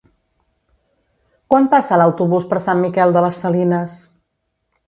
Quan passa l'autobús per Sant Miquel de les Salines?